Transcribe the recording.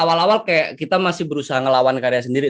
awal awal kayak kita masih berusaha ngelawan karya sendiri